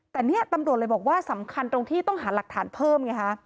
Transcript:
แต่เนี่ยตำรวจเลยบอกว่าสำคัญตรงที่ต้องหาหลักฐานเพิ่มไงฮะ